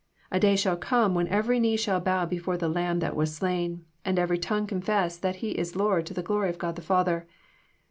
A day shall come when every knee shall bow before the Lamb that was slain, and every tongue confess that He is Lord to the glory of God the Father.